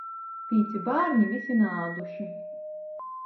Pīci bārni, vysi naāduši.